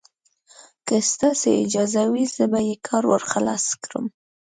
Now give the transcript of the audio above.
که ستاسې اجازه وي، زه به یې کار ور خلاص کړم.